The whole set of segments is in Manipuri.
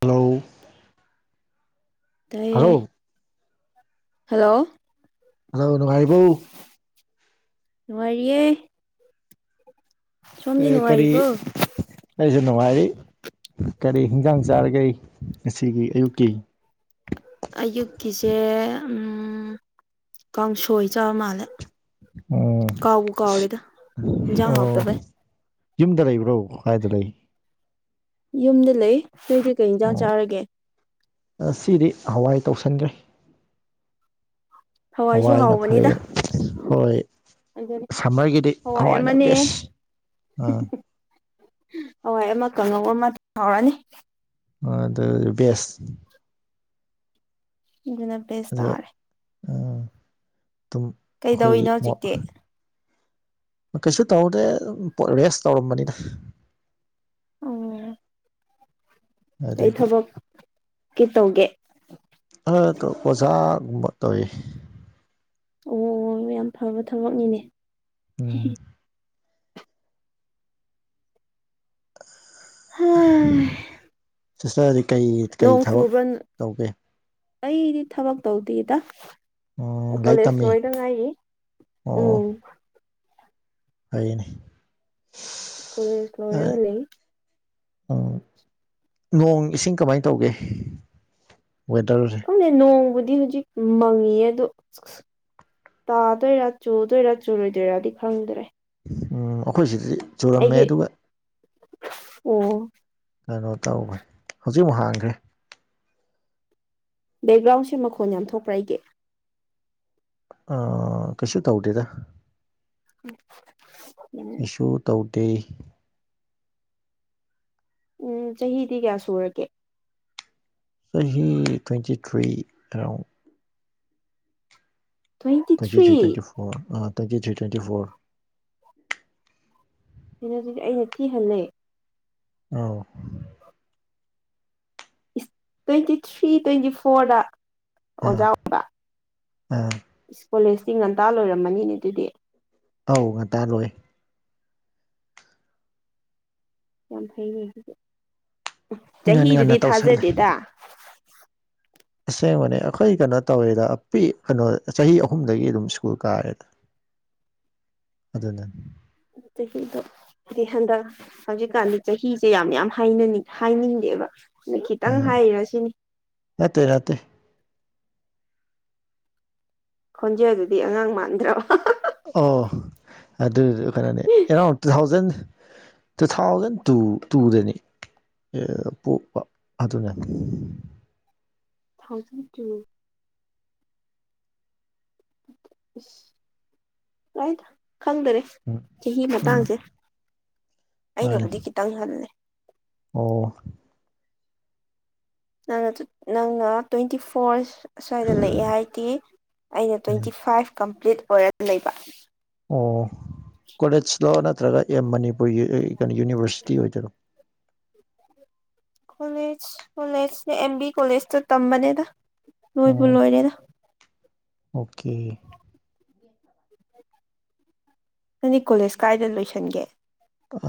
ꯍꯂꯣ ꯇꯌꯦ ꯍꯂꯣ ꯍꯜꯂꯣ ꯅꯨꯉꯥꯏꯔꯤꯕꯣ ꯅꯨꯉꯥꯏꯔꯤ ꯑꯥ ꯀꯔꯤ ꯀꯔꯤ ꯑꯩꯁꯨ ꯅꯨꯡꯉꯥꯢꯔꯤ ꯇꯔꯦꯠ ꯍꯤꯟꯖꯥꯡ ꯆꯥꯔꯒꯩ ꯉꯁꯤꯒꯤ ꯑꯌꯨꯛꯀꯤ ꯑꯌꯨꯛꯀꯤꯁꯦ ꯎ ꯀꯥꯡꯁꯣꯏ ꯆꯥ ꯃꯥꯜꯂꯦ ꯎꯝ ꯀꯥꯎꯕꯨ ꯀꯥꯎꯥꯔꯦꯗ ꯏꯟꯁꯥꯡ ꯑꯣ ꯍꯥꯎꯗꯕꯒꯤ ꯌꯨꯝꯗ ꯂꯩꯕ꯭ꯔꯣ ꯍꯥꯏꯗ ꯂꯩ ꯌꯨꯝꯗ ꯂꯩ ꯅꯣꯏ ꯀꯩ ꯀꯩ ꯏꯟꯖꯥꯡ ꯑꯣ ꯆꯥꯔꯒꯦ ꯉꯁꯤꯗꯤ ꯍꯋꯥꯏ ꯇꯧꯁꯟꯈ꯭ꯔꯦ ꯍꯋꯥꯏꯁꯨ ꯍꯋꯥꯏꯅ ꯐꯔꯦ ꯍꯥꯎꯕꯅꯤꯗ ꯍꯣꯏ ꯑꯗꯨꯅꯤ ꯁꯝꯃꯔꯒꯤꯗꯤ ꯍꯋꯥꯏ ꯍꯋꯥꯏꯅ ꯑꯃꯅꯦ ꯕꯦꯁ ꯑꯥ ꯍꯋꯥꯏ ꯑꯃ ꯀꯥꯡꯍꯧ ꯑꯃ ꯍꯥꯎꯔꯅꯤ ꯑ ꯑꯗꯨ ꯕꯦꯁ ꯑꯗꯨꯅ ꯕꯦꯁ ꯇꯥꯔꯦ ꯇꯨꯝ ꯑꯩꯈꯣꯏꯒꯤ ꯀꯩꯗꯧꯔꯤꯅꯣ ꯃꯣ ꯍꯧꯖꯤꯛꯇꯤ ꯀꯩꯁꯨ ꯇꯧꯗꯦ ꯔꯦꯁ ꯇꯧꯔꯝꯕꯅꯤꯅ ꯑꯣ ꯑꯩ ꯑꯗꯒꯤ ꯊꯕꯛ ꯀꯦ ꯇꯧꯒꯦ ꯇꯏ ꯑꯣ ꯑꯣ ꯌꯥꯝ ꯐꯕ ꯊꯕꯛꯅꯤꯅꯦ ꯎꯝ ꯆꯁ ꯀꯩ ꯀꯩ ꯅꯣꯡ ꯊꯕꯛ ꯆꯨꯕ꯭ꯔꯥ ꯇꯧꯒꯦ ꯑꯩꯗꯤ ꯊꯕꯛ ꯇꯧꯗꯦꯗ ꯎꯝ ꯂꯥꯏꯔꯤꯛ ꯀꯣꯂꯦꯖ ꯇꯝꯃꯤ ꯂꯣꯏꯅ ꯉꯥꯏ ꯎꯝ ꯍꯅꯦ ꯀꯣꯏꯂꯁꯂꯋ ꯂꯩ ꯎꯝ ꯅꯣꯡ ꯏꯁꯤꯡ ꯀꯃꯥꯏꯅ ꯇꯧꯒꯦ ꯋꯦꯗꯔꯁꯦ ꯑꯗꯨꯅꯦ ꯅꯣꯡꯕꯨꯗꯤ ꯍꯧꯖꯤꯛ ꯃꯪꯉꯌꯦ ꯑ ꯇꯥꯗꯣꯏꯔꯥ ꯆꯨꯗꯣꯏꯔꯥ ꯆꯨꯔꯣꯏꯗꯣꯏꯔꯥꯗꯤ ꯈꯪꯗ꯭ꯔꯦ ꯎꯝ ꯑꯩꯈꯣꯏ ꯁꯤꯗꯗꯤ ꯆꯨꯔꯝꯃꯦ ꯑꯩꯒꯤ ꯑꯗꯨꯒ ꯑꯣ ꯀꯩꯅꯣ ꯇꯧꯈꯦ ꯍꯧꯖꯤꯛꯃꯨꯛ ꯍꯥꯡꯈ꯭ꯔꯦ ꯕꯦꯛꯒ꯭ꯔꯥꯎꯟꯁꯦ ꯃꯈꯣꯟ ꯌꯥꯝ ꯊꯣꯛꯣꯛꯄ꯭ꯔ ꯑꯩꯒꯦ ꯑ ꯀꯩꯁꯨ ꯇꯧꯗꯦꯗ ꯎꯝ ꯎꯝ ꯇ ꯎꯝ ꯆꯍꯤꯗꯤ ꯀꯌꯥ ꯁꯨꯔꯒꯦ ꯆꯍꯤꯍꯤ twenty three around twenty three twenty four ꯑ ꯇ꯭ꯋꯦꯟꯇꯤ ꯊ꯭ꯔꯤ ꯇ꯭ꯋꯦꯟꯇꯤ ꯐꯣꯔ ꯁꯤꯅ ꯑꯗꯨꯗꯤ ꯑꯩꯅ ꯊꯤꯍꯜꯂꯦ ꯑ ꯏꯁ ꯇ꯭ꯋꯦꯟꯇꯤ ꯊ꯭ꯔꯤ ꯇ꯭ꯋꯦꯟꯇꯤ ꯐꯣꯔꯗ ꯑꯣꯖꯥ ꯑꯣꯏꯕ ꯑ ꯏꯁ ꯀꯣꯂꯦꯖꯇꯤ ꯉꯟꯇꯥ ꯂꯣꯏꯔꯝꯃꯅꯤꯅꯦ ꯑꯗꯨꯗꯤ ꯑꯧ ꯉꯟꯇꯥ ꯂꯣꯏ ꯌꯥꯝ ꯐꯩꯅꯦ ꯉꯟ ꯆꯍꯤꯗꯨꯗꯤ ꯉꯟꯅ ꯇꯧꯁꯜꯂꯦ ꯊꯥꯖꯗꯦꯗ ꯑꯁꯦꯡꯕꯅꯦ ꯑꯩꯈꯣꯏ ꯀꯩꯅꯣ ꯇꯧꯋꯦꯗ ꯄ ꯀꯩꯅꯣ ꯆꯍꯤ ꯑꯍꯨꯝꯗꯒꯤ ꯑꯗꯨꯝ ꯁ꯭ꯀꯨꯜ ꯀꯥꯑꯦꯗ ꯑꯗꯨꯗꯅ ꯆꯍꯤꯗꯣ ꯍꯥꯏꯗꯤ ꯍꯟꯗꯛ ꯍꯧꯖꯤꯛꯀꯥꯟꯗꯤ ꯆꯍꯤꯁꯦ ꯌꯥꯝ ꯌꯥꯝꯅꯤꯡ ꯍꯥꯏꯅꯤꯡꯗꯦꯕ ꯑ ꯈꯤꯇꯪ ꯎꯝ ꯍꯥꯏꯔꯁꯤꯅꯤ ꯅꯠꯇꯦ ꯅꯠꯇꯦ ꯈꯣꯟꯖꯦꯜ ꯑꯗꯨꯗꯤ ꯑꯉꯥꯡ ꯃꯥꯟꯗ꯭ꯔꯣ ꯑꯣ ꯑꯗꯨ ꯀꯩꯅꯣꯅꯤ around two thousand two thousand two ꯇꯨꯗꯅꯤ ꯑꯦ ꯄꯣꯛꯄ ꯑꯗꯨꯅꯦ ꯊꯥꯎꯖꯟ ꯇꯨꯋ ꯀꯥꯏꯗ ꯈꯪꯗꯔꯦ ꯎꯝ ꯆꯍꯤ ꯎꯝ ꯃꯇꯥꯡꯁꯦ ꯃꯥꯅꯤ ꯑꯩꯅꯕꯨꯗꯤ ꯈꯤꯇꯪ ꯍꯜꯂꯦ ꯑꯣ ꯅꯪꯅ ꯅꯪꯅ ꯇ꯭ꯋꯦꯟꯇꯤ ꯐꯣꯔ ꯑꯁ꯭ꯋꯥꯏꯗ ꯂꯩꯑꯦ ꯍꯥꯏꯗꯤ ꯑꯩꯅ ꯎꯝ ꯇ꯭ꯋꯦꯟꯇꯤ ꯐꯥꯏꯚ ꯀꯝꯄ꯭ꯂꯤꯠ ꯑꯣꯏꯔꯒ ꯂꯩꯕ ꯑꯣ ꯀꯣꯂꯦꯖꯂꯣ ꯅꯠꯇ꯭ꯔꯒ ꯑꯦꯝ ꯃꯅꯤꯄꯨꯔ ꯀꯩꯅꯣ ꯌꯨꯅꯤꯚꯔꯁꯤꯇꯤ ꯑꯣꯏꯗꯣꯏꯔꯣ [inaudible] ꯀꯣꯂꯦꯖ ꯀꯣꯂꯦꯖꯅꯦ ꯑꯦꯝ ꯕꯤ ꯀꯣꯂꯦꯖꯇ ꯇꯝꯕꯅꯦꯗ ꯅꯣꯏꯕꯨ ꯎꯝ ꯂꯣꯏꯔꯦꯗ ꯑꯣꯀꯦ ꯅꯅꯤ ꯀꯣꯂꯦꯖ ꯀꯥꯏꯗ ꯂꯣꯏꯁꯟꯒꯦ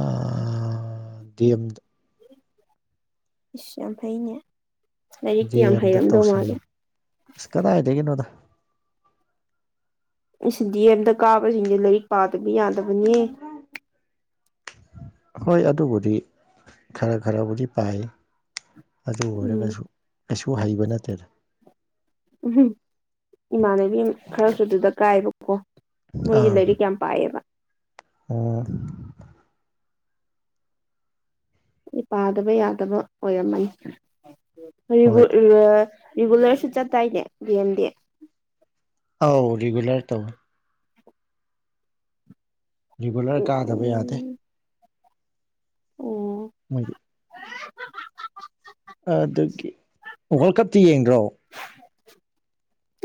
ꯑ ꯗꯝꯗ ꯏꯁ ꯑꯝ ꯐꯩꯅꯦ ꯂꯥꯏꯔꯤꯛꯇꯤ ꯌꯥꯝ ꯑꯦꯝꯗ ꯍꯩꯔꯝꯗꯧ ꯃꯥꯜꯂꯦ ꯇꯧꯁꯟꯉꯤ ꯑꯁ ꯀꯗꯥꯏꯗꯒꯤꯅꯣꯗ ꯁꯤ ꯗꯤ ꯑꯦꯝꯗ ꯀꯥꯕꯁꯤꯡꯁꯦ ꯂꯥꯏꯔꯤꯛ ꯄꯥꯗꯕ ꯌꯥꯗꯕꯅꯦ [inaudible] ꯍꯣꯏ ꯑꯗꯨꯕꯨꯗꯤ ꯈꯔ ꯈꯔꯕꯨꯗꯤ ꯄꯥꯏ ꯑꯗꯨ ꯎꯝ ꯑꯣꯏꯔꯒꯁꯨ ꯀꯩꯁꯨ ꯍꯩꯕ ꯅꯠꯇꯦꯗ ꯎꯝꯨꯝ ꯏꯃꯥꯟꯅꯕꯤ ꯈꯔꯁꯨ ꯑꯗꯨꯗ ꯀꯥꯏꯕ [unintelligible] ꯃꯣꯏꯗꯤ ꯑꯥ ꯂ ꯀ ꯌꯥꯝ ꯄꯥꯏꯕ ꯑꯣ ꯄꯥꯗꯕ ꯌꯥꯗꯕ ꯑꯣꯏꯔꯝꯃꯅꯤ ꯍꯣꯏ ꯔꯔꯤꯒꯨꯂꯔ ꯁꯨ ꯆ ꯇꯥꯏꯅꯦ [unintelligible] ꯗꯦ ꯑꯥꯎ ꯔꯦꯒꯨꯂꯔ ꯇꯧ ꯔꯤꯒꯨꯂꯔ ꯎ ꯀꯥꯗꯕ ꯌꯥꯗꯦ ꯑꯣ ꯃꯣꯏꯌꯦꯛ ꯑꯗꯨꯒꯤ ꯋꯥꯔꯜ ꯀꯞꯇ ꯌꯦꯡꯗ꯭ꯔꯣ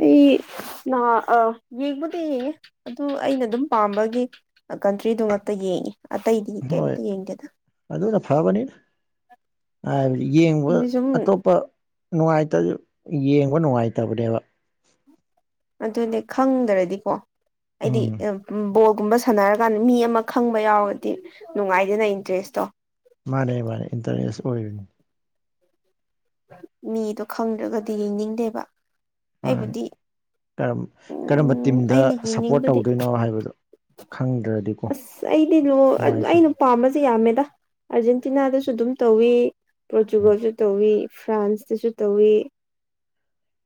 ꯑꯩ ꯅꯍꯥ ꯌꯦꯡꯕꯗꯤ ꯌꯦꯡꯉꯦ ꯑꯗꯨ ꯑꯩꯅ ꯑꯗꯨꯝ ꯄꯥꯝꯕꯒꯤ ꯀꯟꯇ꯭ꯔꯤꯗꯨ ꯉꯛꯇ ꯌꯦꯡꯉꯤ ꯑꯇꯩꯗꯤ ꯍꯣꯏ ꯀꯩꯝꯇ ꯌꯦꯡꯒꯦꯗ ꯑꯗꯨꯅ ꯐꯕꯅꯤꯅ ꯍꯥꯏꯕꯗꯤ ꯌꯦꯡꯕ ꯑꯗꯨ ꯁꯨꯝ ꯑꯇꯣꯞꯄ ꯅꯨꯡꯉꯥꯏꯇ ꯌꯦꯡꯕ ꯅꯨꯡꯉꯥꯏꯇꯕꯅꯦꯕ ꯑꯗꯨꯅꯦ ꯈꯪꯗ꯭ꯔꯗꯤꯀꯣ ꯑꯩꯗꯤ ꯎꯝ ꯕ ꯒꯨꯝꯕ ꯁꯥꯟꯅꯔꯀꯥꯟꯗ ꯃꯤ ꯑꯃ ꯈꯪꯕ ꯌꯥꯎꯔꯗꯤ ꯅꯨꯡꯉꯥꯏꯗꯅ ꯏꯟꯇꯔꯦꯁꯇꯣ ꯃꯥꯅꯦ ꯃꯥꯅꯦ ꯏꯟꯇꯔꯅꯦꯁ ꯑꯣꯏꯕꯅꯤ ꯃꯤꯗꯣ ꯈꯪꯗ꯭ꯔꯒꯗꯤ ꯌꯦꯅꯤꯡꯗꯦꯕ ꯑꯩꯕꯨꯗꯤ ꯀ ꯀꯔꯝꯕ ꯎꯝ ꯇꯤꯝꯗ ꯑꯩꯅ ꯁꯞꯄꯣꯔꯠ ꯌꯦꯡꯅꯤꯡꯕꯗꯤ ꯇꯧꯗꯣꯏꯅꯣ ꯍꯥꯏꯕꯗꯣ ꯈꯪꯗ꯭ꯔꯗꯤꯀꯣ ꯑꯁ ꯑꯩꯗꯤ ꯅ ꯑꯩꯅ ꯅꯨꯡꯉꯥꯏꯇꯕꯅꯤ ꯄꯥꯝꯕꯁꯦ ꯌꯥꯝꯃꯦꯗ ꯑꯥꯔꯖꯦꯟꯇꯤꯅꯥꯗꯁꯨ ꯑꯗꯨꯝ ꯇꯧꯋꯤ ꯄꯣꯔꯆꯨꯒꯜꯁꯨ ꯇꯧꯋꯤ ꯐ꯭ꯔꯥꯟꯁꯇꯁꯨ ꯇꯧꯋꯤ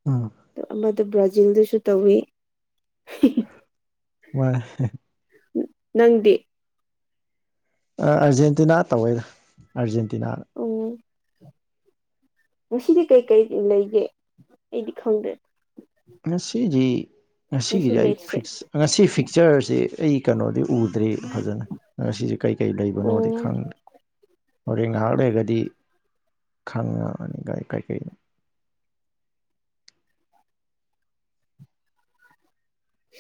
ꯑꯝ ꯑ ꯕ꯭ꯔꯥꯖꯤꯜꯗꯁꯨ ꯇꯧꯋꯤ ꯋꯥ ꯎ ꯅꯪꯗꯤ ꯑꯔꯖꯦꯟꯇꯤꯅꯥ ꯇꯧꯋꯦꯗ ꯑꯖꯦꯟ ꯎꯝ ꯉꯁꯤꯗꯤ ꯀꯩ ꯀꯔꯤ ꯂꯩꯒꯦ ꯑꯩꯗꯤ ꯈꯪꯗ꯭ꯔꯦ ꯉꯁꯤꯗꯤ ꯉꯁꯤ ꯉꯁꯤꯒꯤꯗꯤ ꯑꯩ ꯃꯦꯠꯁꯁꯦ ꯉꯁꯤ ꯐꯤꯛꯆꯔꯁꯦ ꯑꯩ ꯀꯩꯅꯣꯗꯤ ꯎꯗ꯭ꯔꯦ ꯐꯖꯅ ꯉꯁꯤꯁꯦ ꯀꯩꯀꯩ ꯂꯩꯕꯅꯣꯗꯤ ꯑꯣ ꯈꯪꯗꯦ ꯍꯣꯔꯦꯟ ꯉꯥꯏꯍꯥꯛ ꯂꯩꯔꯒꯗꯤ ꯈꯪꯉꯅꯤ ꯀꯔꯤꯀꯔꯤꯅꯣ [inaudible]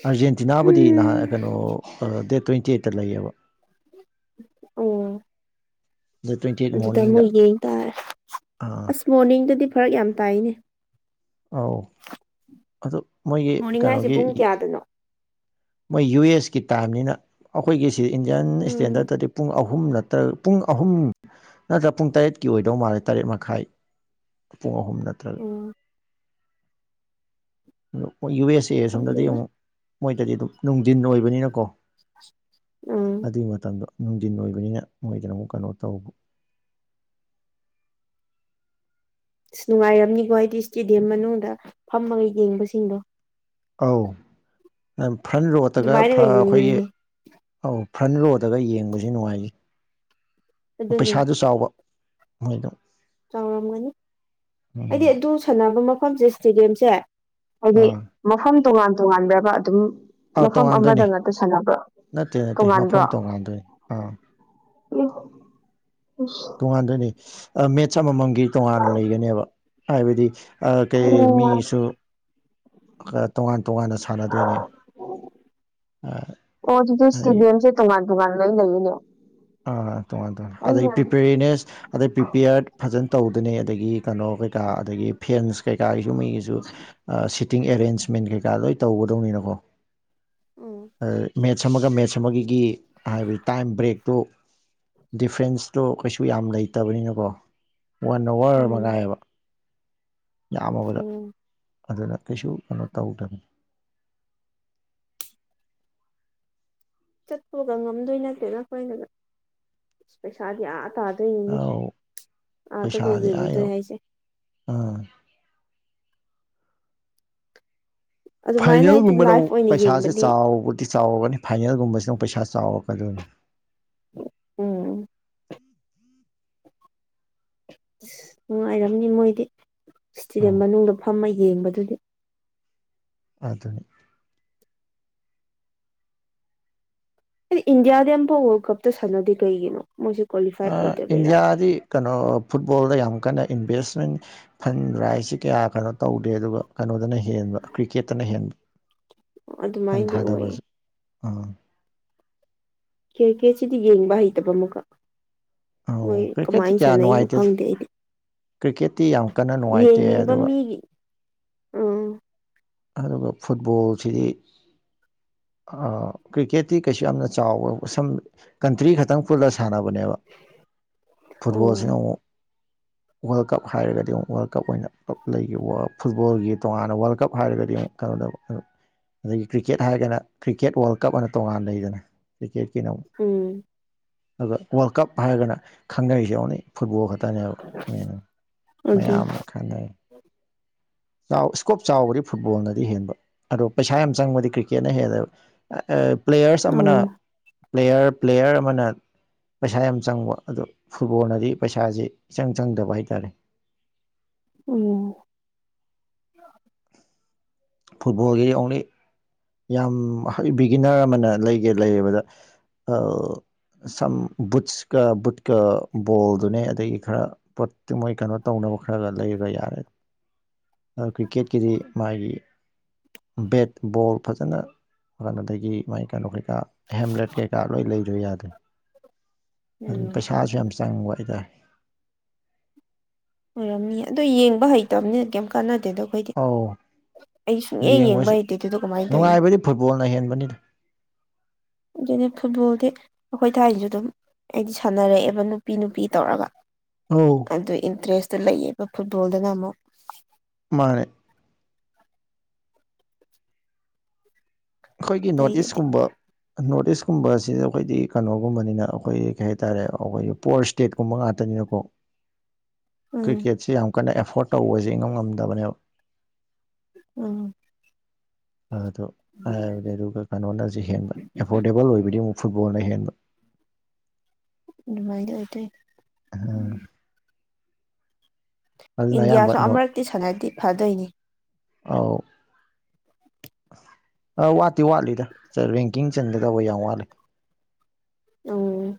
ꯑꯥꯔꯖꯦꯟꯇꯤꯅꯥꯕꯨꯗꯤ ꯅꯍꯥꯟ ꯍꯝ ꯀꯩꯅꯣ ꯗꯦꯠ ꯇ꯭ꯋꯦꯟꯇꯤ ꯑꯩꯠꯇ ꯂꯩꯌꯦꯕ ꯑꯣ ꯗꯦꯠ ꯇ꯭ꯋꯦꯟꯇꯤ ꯑꯩꯠ ꯑꯗꯨꯗ ꯃꯣꯔꯅꯤꯡꯗ ꯑꯃꯨꯛ ꯌꯦꯡ ꯇꯥꯔꯦ ꯑꯥ ꯑꯁ ꯃꯣꯔꯅꯤꯡꯗꯗꯤ ꯐꯔꯛ ꯌꯥꯝ ꯇꯥꯏꯅꯦ ꯑꯧ ꯑꯗꯨ ꯃꯣꯏꯒꯤ ꯃꯣꯔꯅꯤꯡ ꯍꯥꯏꯁꯦ ꯀꯩꯅꯣꯒꯤ ꯄꯨꯡ ꯀꯌꯥꯗꯅꯣ ꯃꯣꯏ ꯌꯨ ꯑꯦꯁ ꯀꯤ ꯇꯥꯝꯅꯤꯅ ꯑꯩꯈꯣꯏꯒꯤꯁꯤ ꯏꯟꯗꯤꯌꯥꯟ ꯎꯝ ꯏꯁꯇꯦꯟꯗꯔꯠꯇꯗꯤ ꯄꯨꯡ ꯑꯍꯨꯝ ꯑꯍꯨꯝ ꯅꯠꯇ꯭ꯔꯒ ꯄꯨꯡ ꯑꯍꯨꯝ ꯅꯠꯇ꯭ꯔ ꯄꯨꯡ ꯇꯔꯦꯠꯀꯤ ꯑꯣꯏꯗꯧ ꯃꯥꯜꯂꯦ ꯇꯔꯦꯠ ꯃꯈꯥꯏ ꯄꯨꯡ ꯑꯍꯨꯝ ꯅꯠꯇ꯭ꯔꯒ ꯎꯝ ꯑꯣꯏ ꯌꯨ ꯑꯦꯁ ꯑꯦ ꯁꯣꯝꯗꯗꯤ ꯈꯪꯗꯦꯗ ꯑꯃꯨꯛ ꯃꯣꯏꯗꯗꯤ ꯑꯗꯨꯝ ꯅꯨꯡꯊꯤꯟ ꯑꯣꯏꯕꯅꯤꯅꯀꯣ ꯎꯝ ꯑꯗꯨꯗꯤ ꯃꯗꯣ ꯅꯨꯡꯊꯤꯟ ꯑꯣꯏꯕꯅꯤꯅ ꯃꯣꯏꯗꯅ ꯑꯃꯨꯛ ꯀꯩꯅꯣ ꯇ ꯑꯁ ꯅꯨꯡꯉꯥꯏꯔꯝꯅꯤꯀꯣ ꯍꯥꯏꯗꯤ ꯏꯁꯇꯦꯗꯤꯌꯝ ꯃꯅꯨꯡꯗ ꯐꯝꯃꯒ ꯌꯦꯡꯕꯁꯤꯡꯗꯣ ꯑꯧ ꯅ ꯐ꯭ꯔꯟ ꯔꯣꯠꯇꯒ ꯑꯗꯨꯃꯥꯏꯅꯒ ꯑꯩꯈꯣꯏꯒꯤ ꯌꯦꯡꯅꯤꯡꯉꯦ ꯑꯧ ꯐ꯭ꯔꯟ ꯔꯣꯗꯒ ꯌꯦꯡꯕꯁꯨ ꯅꯨꯡꯉꯥꯏꯈꯤ ꯑꯗꯨꯅꯤ ꯄꯩꯁꯥꯗꯨ ꯆꯥꯎꯕ ꯃꯣꯏꯗꯣ ꯆꯥꯎꯔꯝꯒꯅꯤ ꯑꯩꯗꯤ ꯎꯝ ꯑꯗꯨ ꯁꯥꯟꯅꯕ ꯃꯐꯝꯁꯦ ꯏꯁꯇꯦꯗꯤꯌꯝꯁꯦ ꯍꯥꯏꯗꯤ ꯑꯥ ꯃꯐꯝ ꯇꯣꯉꯥꯟ ꯇꯣꯉꯥꯟꯕꯒ ꯑꯗꯨꯝ ꯑꯥ ꯃꯐꯝ ꯑꯃꯗ ꯇꯣꯉꯥꯟꯗꯣꯏꯅꯤ ꯉꯥꯛꯇ ꯁꯥꯟꯅꯕꯣ ꯅꯠꯇꯦ ꯅꯠꯇꯦ ꯃꯐꯝ ꯇꯣꯉꯥꯟꯕ꯭ꯔꯣ ꯇꯣꯉꯥꯟꯗꯣꯏꯅꯤ ꯑꯥ ꯎ ꯇꯣꯉꯥꯟꯗꯣꯏꯅꯤ ꯃꯦꯠꯁ ꯑꯃꯃꯝꯒꯤ ꯇꯣꯉꯥꯟꯅ ꯂꯩꯒꯅꯦꯕ ꯍꯥꯏꯕꯗꯤ ꯀꯩ ꯑꯣ ꯃꯤꯁꯨ ꯇꯣꯉꯥꯟ ꯇꯣꯉꯥꯟꯅ ꯁꯥꯟꯅꯗꯣꯏꯅꯤ ꯑꯣ ꯑꯗꯨꯗꯤ ꯁꯇꯦꯗꯤꯌꯝ ꯇꯃꯥꯟ ꯇꯃꯥꯟꯅ ꯂꯩꯅꯦꯣ ꯑꯥ ꯇꯣꯉꯥꯟ ꯇꯣꯉꯥꯟ ꯑꯗꯩ ꯄ꯭ꯔꯤꯄꯦꯔꯦꯅꯦꯁ ꯑꯗꯩ ꯄ꯭ꯔꯤꯄꯦꯌꯔꯠ ꯐꯖꯅ ꯇꯧꯗꯅꯦ ꯑꯗꯒꯤ ꯀꯩꯅꯣ ꯀꯩꯀꯥ ꯑꯗꯒꯤ ꯐꯦꯟꯁ ꯀꯩꯀꯥꯒꯤꯁꯨꯨꯝ ꯃꯒꯤꯁꯨ ꯁꯤꯠ ꯤꯡ ꯑꯦꯔꯦꯟꯃꯦꯟ ꯀꯩ ꯂ ꯇꯧꯒꯗꯧꯅꯤꯅꯀꯣ ꯎꯝ ꯃꯦꯠꯁ ꯑꯃꯒ ꯃꯦꯠꯁ ꯑꯃꯒꯤꯒꯤ ꯍꯥꯏꯕꯗꯤ ꯇꯥꯏꯝ ꯕ꯭ꯔꯦꯛ ꯑꯣ ꯗꯤꯐ꯭ꯔꯦꯟꯁꯇꯣ ꯀꯩꯁꯨ ꯌꯥꯝ ꯂꯩꯇꯕꯅꯤꯅꯀꯣ ꯋꯥꯟ ꯑꯋꯥꯔ ꯎꯝ ꯃꯉꯥꯏꯑꯕ ꯌꯥꯝꯃꯕꯗ ꯑꯣ ꯑꯗꯨꯅ ꯀꯩꯁꯨ ꯀꯩꯅꯣ ꯇꯧꯗ꯭ꯔꯕꯅꯤ ꯆꯠꯄꯒ ꯉꯝꯗꯣꯏ ꯅꯠꯇꯦ ꯅꯈꯣꯏꯗꯨꯗ ꯄꯩꯁꯥꯗꯤ ꯑ ꯇꯥꯗꯣꯏꯅꯤꯅꯦ ꯑꯧ ꯑꯥꯒꯒ ꯌꯦꯡꯉꯨꯗꯣꯏ ꯍꯥꯏꯁꯦ ꯎꯝ ꯑꯗꯨꯃꯥꯏꯅ ꯍꯥꯏꯗꯤ ꯐꯥꯏꯅꯦꯜꯒꯨꯝꯕꯅ ꯂꯥꯏꯐ ꯑꯃꯨꯛ ꯑꯣꯏꯅ ꯄꯩꯁꯥꯁꯦ ꯌꯦꯡꯕꯗꯤ ꯆꯥꯎꯕꯗꯤ ꯆꯥꯎꯔꯒꯅꯤ ꯐꯥꯏꯅꯦꯜꯒꯨꯝꯕꯁꯤꯅ ꯄꯩꯁꯥ ꯆꯥꯎꯔꯛꯀꯗꯣꯏꯅꯤ ꯎꯝ ꯑꯁ ꯅꯨꯡꯉꯥꯏꯔꯝꯅꯤ ꯃꯣꯏꯗꯤ ꯏꯁꯇꯦꯗꯤꯌꯝ ꯑꯧ ꯃꯅꯨꯡꯗ ꯐꯝꯃ ꯌꯦꯡꯕꯗꯨꯗꯤ ꯑꯗꯨ ꯑꯗꯨꯅꯤ ꯏꯟꯗꯤꯌꯥꯗꯤ ꯑꯝꯐꯥꯎ ꯋꯥꯔꯜ ꯀꯞꯇ ꯁꯥꯟꯅꯗꯦ ꯀꯩꯒꯤꯅꯣ ꯃꯣꯏꯁꯦ ꯀ꯭ꯋꯥꯂꯤꯐꯥꯏ ꯑ ꯑꯣꯏꯗꯕꯩꯔꯥ ꯏꯟꯌꯥꯗꯤ ꯀ ꯐꯨꯠꯕꯣꯜꯗ ꯌꯥꯝ ꯀꯟꯅ ꯏꯟꯚꯦꯁꯃꯦꯟ ꯐꯟ ꯔ ꯍꯥꯏꯁꯤ ꯀꯌꯥ ꯀꯩꯅꯣ ꯇꯧꯗꯦ ꯑꯗꯨꯒ ꯀꯩꯅꯣꯗ ꯅ ꯍꯦꯟꯕ ꯀ꯭ꯔꯤꯀꯦꯠꯇꯅ ꯍꯦꯟꯕ ꯑꯗꯨꯃꯥꯏꯗꯤ ꯑꯣꯏꯌꯦ ꯑ ꯀꯦꯔ ꯀꯦꯠꯁꯤꯗꯤ ꯌꯦꯡꯕ ꯍꯩꯇꯕ ꯑꯃꯨꯀꯥ ꯑꯧ ꯃꯣꯏ ꯀ꯭ꯔꯤꯛꯀꯦꯠꯇꯤ ꯀꯃꯥꯏꯅ ꯀꯌꯥ ꯁꯥꯟꯅꯩꯅꯣ ꯅꯨꯡꯉꯥꯏꯇꯦ ꯈꯪꯗꯦ ꯑꯩꯗꯤ ꯀ꯭ꯔꯤꯛꯀꯦꯠꯇꯤ ꯌꯥꯝ ꯀꯟꯅ ꯅꯨꯡꯉꯥꯏꯇꯦ ꯌꯦꯡꯅꯤꯡꯕ ꯑꯗꯨꯒ ꯃꯤꯒꯤ ꯎꯝ ꯑꯗꯨꯒ ꯐꯨꯠꯕꯣꯜꯁꯤꯗꯤ ꯀ꯭ꯔꯤꯀꯦꯠꯇꯤ ꯀꯩꯁꯨ ꯌꯥꯝꯅ ꯆꯥꯎꯋꯦ ꯁꯝ ꯀꯟꯇ꯭ꯔꯤ ꯈꯛꯇꯪ ꯄꯨꯜꯂ ꯁꯥꯟꯅꯕꯅꯦꯕ ꯐꯨꯠꯕꯣꯜꯁꯤꯅ ꯑꯣ ꯑꯃꯨꯛ ꯋꯥꯔꯜ ꯀꯞ ꯍꯥꯏꯔꯒꯗꯤ ꯑꯃꯨꯛ ꯋꯥꯔꯜ ꯀꯞ ꯑꯣꯏꯅ ꯄꯨꯞ ꯂꯩꯈꯤꯕ ꯐꯨꯠꯕꯣꯜꯒꯤ ꯇꯣꯉꯥꯟꯅ ꯋꯥꯔꯜ ꯀꯞ ꯍꯥꯏꯔꯒꯗꯤ ꯑꯃꯨꯛ ꯀꯧꯗꯕ ꯑꯗꯨ ꯑꯗꯒꯤ ꯀ꯭ꯔꯤꯛꯀꯦꯠ ꯍꯥꯏꯒꯅ ꯀ꯭ꯔꯤꯛꯀꯦꯠ ꯋꯥꯔꯜ ꯀꯞꯅ ꯇꯣꯉꯥꯟ ꯂꯩꯗꯅ ꯀ꯭ꯔꯤꯛꯀꯦꯠ ꯎꯝ ꯑꯗꯨꯒ ꯋꯥꯔꯜ ꯀꯞ ꯍꯥꯏꯔꯒꯅ ꯈꯪꯅꯩꯁꯦꯎꯅ ꯐꯨꯠꯕꯣꯜ ꯈꯛꯇ ꯇꯅ ꯃꯤꯅ ꯑꯗꯨ ꯃꯌꯥꯝꯅ ꯈꯪꯅꯩ ꯆꯥꯎ ꯏꯁꯀꯣꯞ ꯆꯥꯎꯕꯗꯤ ꯐꯨꯠꯕꯣꯜꯅꯗꯤ ꯍꯦꯟꯕ ꯑꯗꯣ ꯄꯩꯁꯥ ꯌꯥꯝ ꯆꯪꯕꯗꯤ ꯀ꯭ꯔꯤꯛꯀꯦꯠꯅ ꯍꯦꯜꯂꯕ ꯄ꯭ꯂꯦꯌꯔꯁ ꯑꯃꯅ ꯑꯣ ꯄ꯭ꯂꯦꯌꯔ ꯄ꯭ꯂꯦꯌꯔ ꯑꯃꯅ ꯄꯩꯁꯥ ꯌꯥꯝ ꯆꯪꯕ ꯑꯗꯣ ꯐꯨꯠꯕꯣꯜꯅꯗꯤ ꯄꯩꯁꯥꯁꯦ ꯏꯆꯪ ꯆꯪꯗꯕ ꯍꯥꯏ ꯇꯥꯔꯦ [unintelligible] ꯑꯣ [inaudible] ꯐꯨꯠꯕꯣꯜꯒ ꯑꯅꯤ ꯌꯥꯝ ꯕꯤꯒꯤꯅꯔ ꯑꯃꯅ ꯂꯩꯒꯦ ꯂꯩꯌꯦꯕꯗ ꯁꯝ ꯕꯨꯠꯁꯀ ꯕꯨꯠꯀ ꯕꯣꯜꯗꯨꯅꯦ ꯑꯗꯒꯤ ꯈꯔ ꯄꯣꯠꯇꯤ ꯃꯣꯏ ꯀꯩꯅꯣ ꯇꯧꯅ ꯇꯧꯈ꯭ꯔꯒ ꯂꯩꯔꯒ ꯌꯥꯔꯦ꯫ ꯀ꯭ꯔꯤꯛꯀꯦꯠꯀꯤꯗꯤ ꯃꯥꯒꯤ꯫ ꯕꯦꯠ ꯕꯣꯜ ꯐꯖꯅ [unintelligible] ꯃꯥꯥꯏ ꯀꯩꯅꯣ ꯀꯩꯀꯥ꯫ ꯍꯦꯝꯂꯦꯠ ꯀꯩꯀꯥ ꯂꯣꯏ ꯂꯩꯗꯣꯏ ꯌꯥꯗꯅꯤ ꯑꯗꯨ ꯎꯝ ꯄꯩꯁꯥꯁꯨ ꯌꯥꯝ ꯆꯪꯕ ꯍꯥꯏꯇꯥꯔꯦ꯫ ꯑꯣꯏꯔꯝꯅꯤ ꯑꯗꯣ ꯌꯦꯡꯕꯥ ꯍꯩꯇꯕꯅꯤꯅ ꯀꯩꯝ ꯀꯥꯟꯅꯗꯦꯗ ꯑꯩꯈꯣꯏꯗꯤ꯫ ꯑꯧ ꯑꯩ ꯁꯨꯡꯌꯦꯡ ꯌꯦꯡꯕ ꯌꯦꯡꯕꯁꯦ ꯍꯩꯇꯦ ꯑꯗꯨꯗꯣ ꯀꯃꯥꯏꯅ ꯇꯧꯔꯤꯅꯣ ꯅꯨꯡꯉꯥꯏꯕꯗꯤ ꯐꯨꯠꯕꯣꯜꯅ ꯍꯦꯟꯕꯅꯤꯗꯥ ꯑꯗꯨꯅꯦ ꯐꯨꯠꯕꯣꯜꯗꯤ ꯑꯩꯈꯣꯏ ꯊꯥꯏꯅꯁꯨ ꯑꯗꯨꯝ ꯑꯩꯗꯤ ꯁꯥꯟꯅꯔꯛꯑꯦꯕ ꯅꯨꯄꯤ ꯅꯨꯄꯤ ꯇꯧꯔꯒ꯫ ꯑꯧ ꯑꯗꯨ ꯏꯟꯇꯔꯦꯁꯇꯨ ꯂꯩꯌꯦꯕ ꯐꯨꯠꯕꯣꯜꯗꯅ ꯑꯃꯨꯛ꯫ ꯃꯥꯅꯦ꯫ ꯑꯩꯈꯣꯏꯒꯤ ꯅꯣꯔꯠ ꯑꯇꯩꯗꯗꯤ ꯏꯁꯀꯨꯝꯕ꯫ ꯅꯣꯔꯠ ꯏꯁꯀꯨꯝꯕꯁꯤꯗ ꯑꯩꯈꯣꯏꯗꯤ ꯀꯩꯅꯣꯒꯨꯝꯕꯅꯤꯅ ꯑꯩꯈꯣꯏ ꯀꯩ ꯍꯥꯏꯇꯥꯔꯦ ꯑꯩꯈꯣꯏꯒꯤ ꯄꯣꯔ ꯁ꯭ꯇꯦꯠꯀꯨꯝꯕ ꯉꯥꯛꯇꯅꯤꯅ꯫ ꯅꯀꯣ꯫ ꯎꯝ ꯀ꯭ꯔꯤꯛꯀꯦꯠꯁꯤ ꯌꯥꯝ ꯀꯟꯅ ꯑꯦꯐꯣꯔꯠ ꯇꯧꯕ ꯏꯉꯝ ꯉꯝꯗꯕꯅꯦꯕ꯫ ꯎꯝ꯫ ꯑꯗꯣ ꯍꯥꯏꯕꯗꯤ ꯑꯗꯨꯒ ꯀꯩꯅꯣꯅꯁꯨ ꯍꯦꯟꯕ ꯑꯦꯐꯣꯔꯗꯦꯕꯜ ꯑꯣꯏꯕꯗꯤ ꯑꯃꯨꯛ ꯐꯨꯠꯕꯣꯜꯅ ꯍꯦꯟꯕ꯫ ꯑꯗꯨꯃꯥꯏꯅ ꯑꯣꯏꯗꯣꯏꯅꯤ꯫ ꯎꯝ ꯑꯗꯨꯅ ꯑꯌꯥꯝꯕ ꯏꯟꯗꯤꯌꯥꯁꯨ ꯅꯣꯠ ꯑꯃꯨꯔꯛꯇꯤ ꯁꯥꯟꯅꯗꯤ ꯐꯗꯣꯏꯅꯤ ꯑꯧ꯫ ꯑ ꯋꯥꯠꯇꯤ ꯋꯥꯠꯂꯤꯗ ꯔꯦꯡꯀꯤꯡ ꯆꯟꯒꯗꯕ ꯌꯥꯝ ꯋꯥꯠꯂꯤ꯫ ꯑꯣ꯫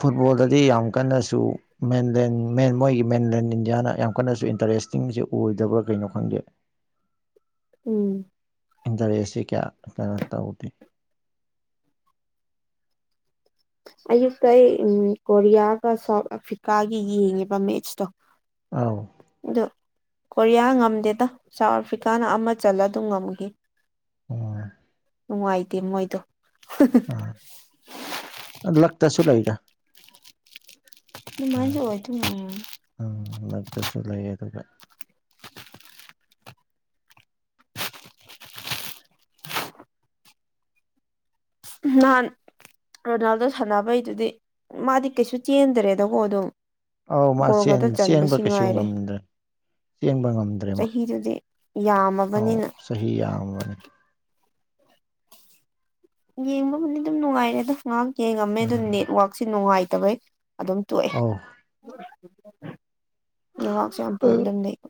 ꯐꯨꯠꯕꯣꯜꯗꯗꯤ ꯌꯥꯝ ꯀꯟꯅꯁꯨ ꯃꯦꯟꯂꯦꯟ ꯃꯦꯟ ꯃꯣꯏꯒꯤ ꯃꯦꯟꯂꯦꯟ ꯏꯟꯗꯤꯌꯥꯅ ꯌꯥꯝ ꯀꯟꯅꯁꯨ ꯏꯟꯇꯔꯦꯁ ꯇꯦꯁꯇꯤꯡꯁꯦ ꯑꯣꯏꯗꯕ꯭ꯔꯥ ꯀꯩꯅꯣ ꯈꯪꯗꯦ꯫ ꯎꯝ꯫ ꯏꯟꯗꯔꯦꯁꯁꯤ ꯀꯌꯥ ꯀꯩꯅꯣ ꯇꯧꯗꯦ꯫ ꯑꯌꯨꯛꯇ ꯑꯩ ꯀꯣꯔꯤꯌꯥꯒ ꯁꯥꯎꯠ ꯑꯐ꯭ꯔꯤꯀꯥꯒꯤ ꯌꯦꯡꯉꯤꯕ ꯃꯦꯠꯁꯇꯣ꯫ ꯑꯥꯎ꯫ ꯑꯗꯣ ꯀꯣꯔꯤꯌꯥ ꯉꯝꯗꯦꯗ ꯁꯥꯎꯠ ꯑꯐ꯭ꯔꯤꯀꯥꯅ ꯑꯃ ꯆꯜꯂ ꯑꯗꯨꯝ ꯉꯝꯒꯤ꯫ ꯎꯝ꯫ ꯅꯨꯡꯉꯥꯏꯇꯦ ꯃꯣꯏꯗꯣ꯫ ꯂꯥꯛꯇꯁꯨ ꯂꯩꯥꯏꯗ꯫ ꯑꯗꯨꯃꯥꯏꯅ ꯑꯣꯏꯗꯣꯏ ꯂꯥꯛꯇꯁꯨ ꯂꯩꯥꯏꯌꯦ ꯑꯗꯨꯒ꯫ ꯅꯍꯥꯟ꯫ ꯔꯣꯅꯥꯜꯗꯣ ꯁꯥꯟꯅꯕꯩꯗꯨꯗꯤ ꯃꯥꯗꯤ ꯀꯩꯁꯨ ꯆꯦꯟꯗ꯭ꯔꯦꯗꯀꯣ ꯑꯗꯨꯝ꯫ ꯑꯧ ꯃꯥ ꯒꯣꯜ ꯆꯦꯟ ꯈꯛꯇ ꯆꯦꯟꯕ ꯆꯟꯕꯁꯤ ꯀꯩꯁꯨ ꯉꯥꯏꯔꯦ ꯉꯝꯗ꯭ꯔꯦ꯫ ꯆꯦꯟꯕ ꯉꯝꯗ꯭ꯔꯦ ꯃꯥ ꯆꯍꯤꯗꯨꯗꯤ ꯑꯧ ꯌꯥꯝꯃꯕꯅꯤꯅ ꯆꯍꯤ ꯌꯥꯝꯃꯕ꯫ ꯌꯦꯡꯕꯕꯨꯗꯤ ꯑꯗꯨꯝ ꯅꯨꯡꯉꯥꯏꯔꯦꯗ ꯉꯥꯍꯥꯛ ꯌꯦꯡꯉꯝꯃꯦ ꯑꯗꯨ ꯎꯝ ꯅꯦꯠꯋꯥꯛꯁꯦ ꯅꯨꯡꯉꯥꯏꯇꯕꯩ꯫ ꯑꯗꯨꯝ ꯇꯣꯛꯑꯦ ꯑꯧ ꯅꯦꯠꯋꯥꯛꯁꯨ ꯌꯥꯝ ꯄ꯭ꯔꯣꯕ꯭ꯂꯦꯝ ꯂꯩꯕ꯫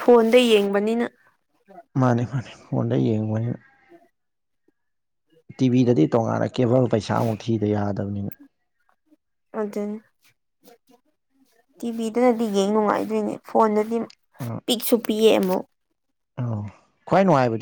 ꯐꯣꯟꯗ ꯌꯦꯡꯕꯅꯤꯅ꯫ ꯃꯥꯅꯤ ꯃꯥꯅꯤ ꯐꯣꯟꯗ ꯌꯦꯡꯕꯅꯤꯅ꯫ [unintelligible] [inaudible] ꯇꯤꯚꯤꯗꯗꯤ ꯇꯣꯉꯥꯟꯅ ꯀꯦꯕꯜ ꯄꯩꯁꯥꯃꯨꯛ ꯊꯤꯗ ꯌꯥꯗꯕꯅꯤꯅ꯫ ꯑꯗꯨꯅꯤ ꯇꯤꯚꯤꯗꯅꯗꯤ ꯌꯦꯡ ꯅꯨꯡꯉꯥꯏꯗꯣꯏꯅꯦ ꯐꯣꯟꯗꯗꯤ ꯑ ꯄꯤꯛ ꯁꯨ ꯄꯤꯌꯦ ꯑꯃꯨꯛ꯫ ꯑꯧ ꯈ꯭ꯋꯥꯥꯏ ꯅꯨꯡꯉꯥꯏꯕꯗꯤ